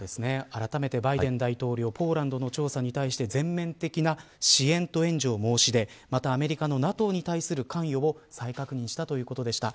あらためてバイデン大統領ポーランドの調査に対して全面的な支援と援助を申し出またアメリカのＮＡＴＯに対する関与を再確認したということでした。